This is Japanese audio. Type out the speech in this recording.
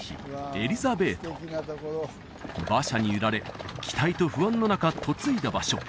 エリザベート馬車に揺られ期待と不安の中嫁いだ場所